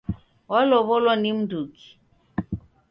Walow'olo ni mnduki?